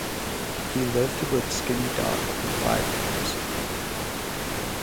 He lived with a skinny dog for five years.